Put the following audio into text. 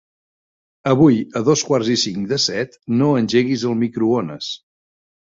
Avui a dos quarts i cinc de set no engeguis el microones.